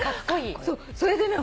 それでね